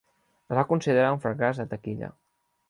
Es va considerar un fracàs de taquilla.